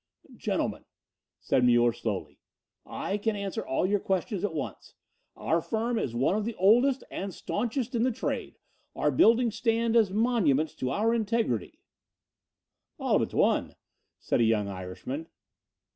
"Gentlemen," said Muller slowly, "I can answer all your questions at once. Our firm is one of the oldest and staunchest in the trade. Our buildings stand as monuments to our integrity " "All but one," said a young Irishman.